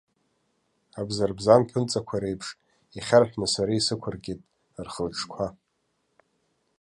Абзарбзан ԥынҵақәа реиԥш, ихьарҳәны сара исықәыркит рхы-рҿқәа.